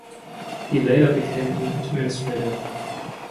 He later became an administrator.